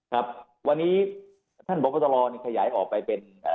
ครับวันนี้ท่านบอกว่าตลอดขยายออกไปเป็น